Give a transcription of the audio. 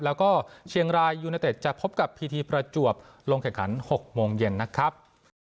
แล้วก็เชียงรายยูเนเต็ดจะพบกับพีทีประจวบลงแข่งขัน๖โมงเย็นนะครับ